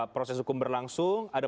proses hukum berlangsung ada